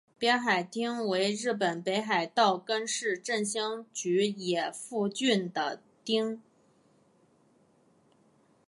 别海町为日本北海道根室振兴局野付郡的町。